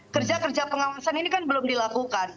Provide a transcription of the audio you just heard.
kerja kerja pengawasan ini kan belum dilakukan